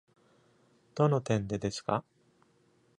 どの点でですか？